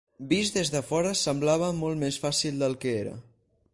Vist des de fora semblava molt més fàcil del que era.